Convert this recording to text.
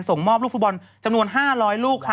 ส่งมอบลูกฟุตบอลจำนวน๕๐๐ลูกค่ะ